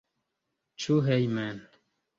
Ĉu hejmen?